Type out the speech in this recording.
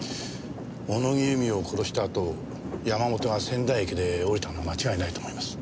小野木由美を殺したあと山本が仙台駅で降りたのは間違いないと思います。